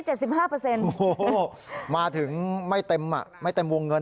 โอ้โฮมาถึงไม่เต็มวงเงิน